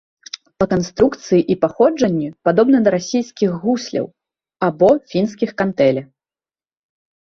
Па канструкцыі і паходжанню падобны да расійскіх гусляў, або фінскіх кантэле.